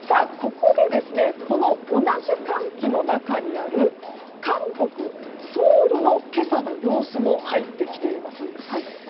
この、同じ寒気の中にある韓国ソウルの今朝の様子も入ってきています。